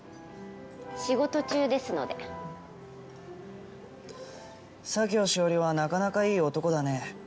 仕事中ですので佐京紫織はなかなかいい男だね